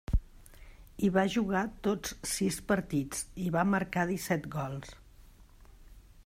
Hi va jugar tots sis partits, i va marcar disset gols.